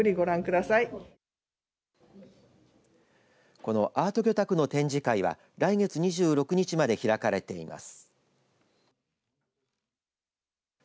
このアート魚拓の展示会は来月２６日まで開かれています。